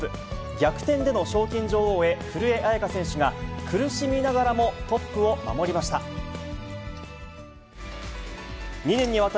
逆転での賞金女王へ、古江彩佳選手が苦しみながらもトップを守りました。